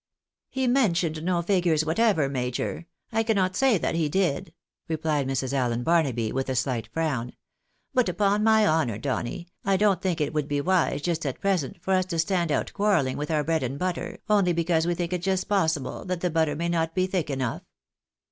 " He mentioned no figures whatever, major — I cannot say that he did," replied Mrs. Allen Barnaby, with a slight frown. " But upon my honour, Donny, I don't think it would bo wise just at present for us to stand out quarrelling with our bread and butter, only because we think it just possible that the butter iruty not be thick enough."